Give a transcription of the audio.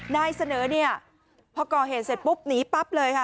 นายเสนอเนี่ยพอก่อเหตุเสร็จปุ๊บหนีปั๊บเลยค่ะ